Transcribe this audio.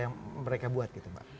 yang mereka buat gitu mbak